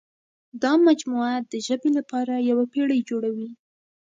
دا مجموعه د ژبې لپاره یوه پېړۍ جوړوي.